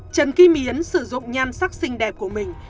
trần kim yến sử dụng nhan sắc xinh đẹp của mình